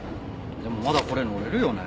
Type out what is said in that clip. でもまだこれ乗れるよね？